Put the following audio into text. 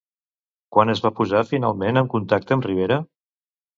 Quan es va posar finalment en contacte amb Rivera?